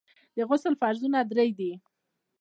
د غسل فرضونه درې دي.